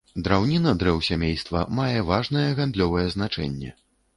Драўніна дрэў сямейства мае важнае гандлёвае значэнне.